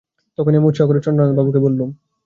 তখনই আমি উৎসাহ করে চন্দ্রনাথবাবুকে বললুম।